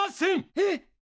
えっ！？